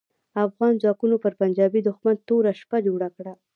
افغان ځواکونو پر پنجاپي دوښمن توره شپه جوړه کړه.